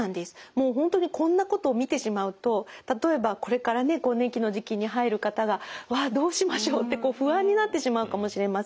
もう本当にこんなことを見てしまうと例えばこれからね更年期の時期に入る方がわっどうしましょうって不安になってしまうかもしれません。